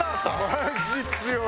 マジ強い。